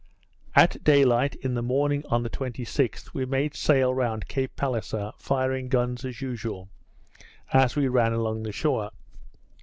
At day light in the morning on the 26th, we made sail round Cape Palliser, firing guns as usual, as we ran along the shore.